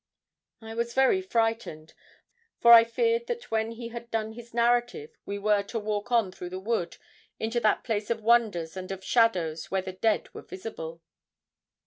I was very frightened, for I feared that when he had done his narrative we were to walk on through the wood into that place of wonders and of shadows where the dead were visible.